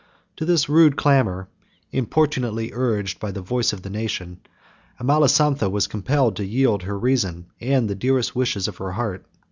To this rude clamor, importunately urged as the voice of the nation, Amalasontha was compelled to yield her reason, and the dearest wishes of her heart.